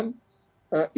informasi yang tidak jelas